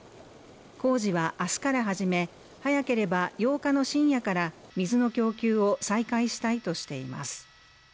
工事は明日から始め早ければ８日の深夜から水の供給を再開したいとしています